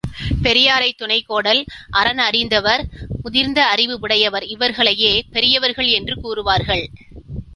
பெரியாரைத் துணைக்கோடல் அறன் அறிந்தவர், முதிர்ந்த அறிவு உடையவர் இவர்களையே பெரியவர்கள் என்று கூறுவார்கள்.